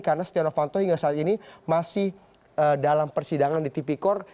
karena setia rofanto hingga saat ini masih dalam persidangan di tipikor